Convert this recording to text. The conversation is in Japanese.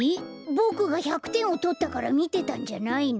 ボクが１００てんをとったからみてたんじゃないの？